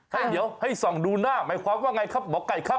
ให้เดี๋ยวให้ส่องดูหน้าหมายความว่าไงครับหมอไก่ครับ